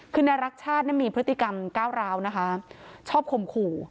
คือนายรักชาติมีพฤติกรรมก้าวร้าวนะคะชอบข่มขู่